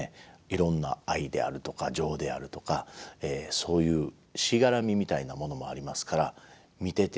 いろんな愛であるとか情であるとかそういうしがらみみたいなものもありますから見てて「あ分からないことはないな」。